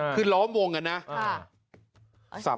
คือล้อมวงกันนะ